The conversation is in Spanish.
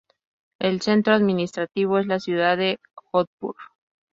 El centro administrativo es la ciudad de Jodhpur.